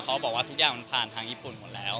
เขาบอกว่าทุกอย่างมันผ่านทางญี่ปุ่นหมดแล้ว